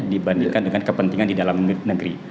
dibandingkan dengan kepentingan di dalam negeri